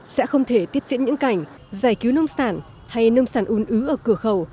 sẽ không thể tiếp diễn những cảnh giải cứu nông sản hay nông sản un ứ ở cửa khẩu